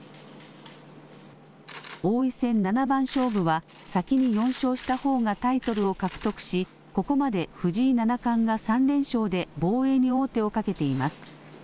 王位戦七番勝負は先に４勝したほうがタイトルを獲得しここまで藤井七冠が３連勝で防衛に王手をかけています。